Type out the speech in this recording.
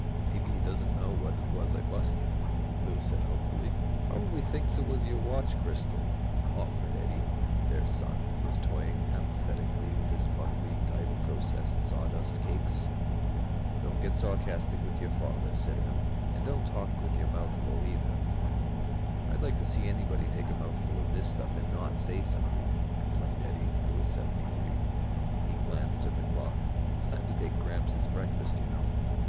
"Maybe he doesn't know what it was I busted," Lou said hopefully. "Probably thinks it was your watch crystal," offered Eddie, their son, who was toying apathetically with his buckwheat type processed sawdust cakes. "Don't get sarcastic with your father," said Em, "and don't talk with your mouth full, either." "I'd like to see anybody take a mouthful of this stuff and not say something," complained Eddie, who was 73. He glanced at the clock. "It's time to take Gramps his breakfast, you know."